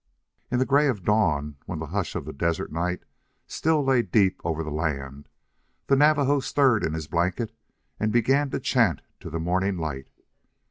In the gray of dawn, when the hush of the desert night still lay deep over the land, the Navajo stirred in his blanket and began to chant to the morning light.